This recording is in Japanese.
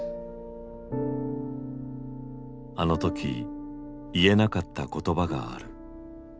あの時言えなかった言葉がある。